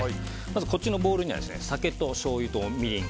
こっちのボウルには酒としょうゆとみりん